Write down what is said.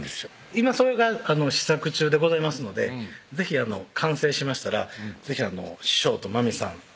今それが試作中でございますので是非完成しましたら是非師匠とまみさん